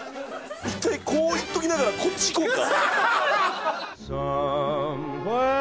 一回こういっときながらこっちいこうか。